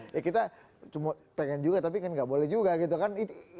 ya kita cuma pengen juga tapi kan nggak boleh juga gitu kan